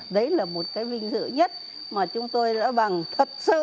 đấy là một cái vinh dự nhất mà chúng tôi đã bằng thật sự